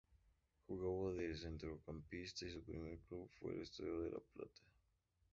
Jugaba de centrocampista y su primer club fue Estudiantes de La Plata.